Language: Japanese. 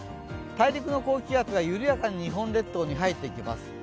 大陸の高気圧が緩やかに日本列島に入っていきます。